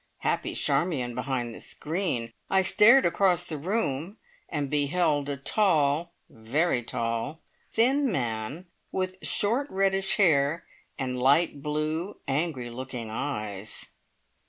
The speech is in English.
Happy Charmion behind the screen! I stared across the room and beheld a tall very tall thin man, with short reddish hair and light blue, angry looking eyes.